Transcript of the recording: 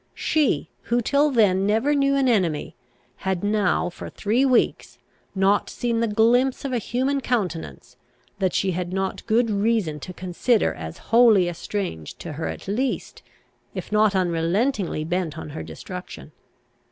She, who till then never knew an enemy, had now, for three weeks, not seen the glimpse of a human countenance, that she had not good reason to consider as wholly estranged to her at least, if not unrelentingly bent on her destruction.